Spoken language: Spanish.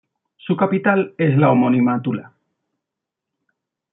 Su capital es la homónima Tula.